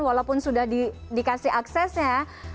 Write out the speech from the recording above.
walaupun sudah dikasih aksesnya